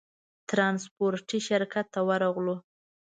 ترانسپورټي شرکت ته ورغلو.